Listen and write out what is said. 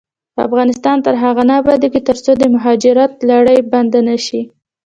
افغانستان تر هغو نه ابادیږي، ترڅو د مهاجرت لړۍ بنده نشي.